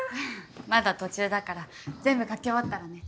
まだ途中だから全部書き終わったらね。